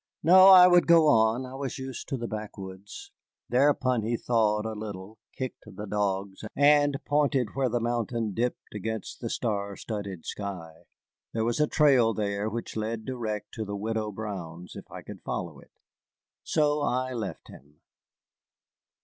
No, I would go on, I was used to the backwoods. Thereupon he thawed a little, kicked the dogs, and pointed to where the mountain dipped against the star studded sky. There was a trail there which led direct to the Widow Brown's, if I could follow it. So I left him.